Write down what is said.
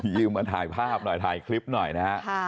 ยืมมาถ่ายภาพหน่อยถ่ายคลิปหน่อยนะฮะ